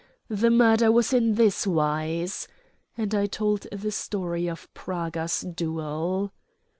The murder was in this wise;" and I told the story of Praga's duel.